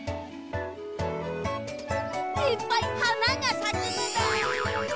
いっぱいはながさくのだ。